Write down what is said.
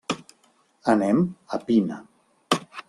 Anem a Pina.